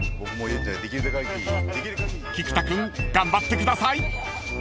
［菊田君頑張ってください］